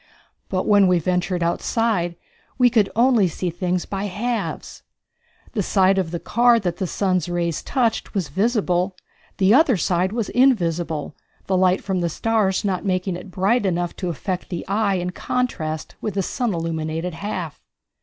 But when we ventured outside we could only see things by halves. The side of the car that the sun's rays touched was visible, the other side was invisible, the light from the stars not making it bright enough to affect the eye in contrast with the sun illumined half.